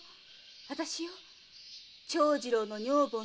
私よ長次郎の女房のおぶんよ。